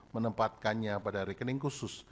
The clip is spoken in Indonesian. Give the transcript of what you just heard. menempatkannya pada rekening khusus